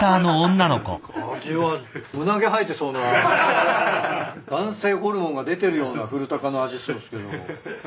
味は胸毛生えてそうな男性ホルモンが出てるような古鷹の味するんすけど。